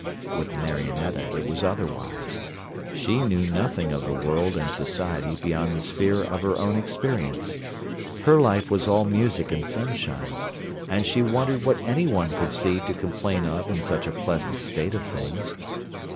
With Marionetta it was otherwise: she knew nothing of the world and society beyond the sphere of her own experience. Her life was all music and sunshine, and she wondered what any one could see to complain of in such a pleasant state of things.